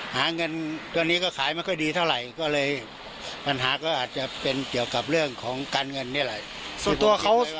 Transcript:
หาเงินตัวนี้ก็ขายไม่ค่อยดีเท่าไหร่ก็เลยปัญหาก็อาจจะเป็นเกี่ยวกับเรื่องของการเงินนี่แหละ